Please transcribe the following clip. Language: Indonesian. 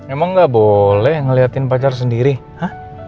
emang nggak boleh ngeliatin pacar sendiri hah